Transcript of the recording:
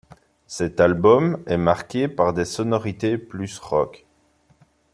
Cet album est marqué par des sonorités plus rock.